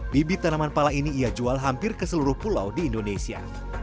bibit tanaman pala ini ia jual hampir ke seluruh pulau di indonesia